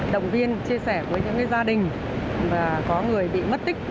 động viên chia sẻ với những gia đình có người bị mất tích